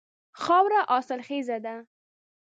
خاوره حاصل خیزه ده.